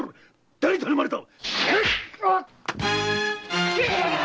誰に頼まれた！